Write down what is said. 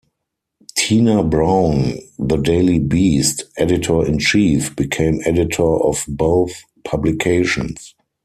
Tina Brown, "The Daily Beast" editor-in-chief, became editor of both publications.